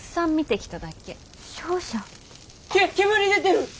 け煙出てる！